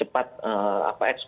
oke pak panutan silakan direspon pak